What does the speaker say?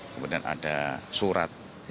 kemudian ada surat